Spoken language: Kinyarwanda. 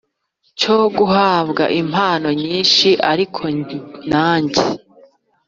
cyo guhabwa impano nyinshi Ariko nanjye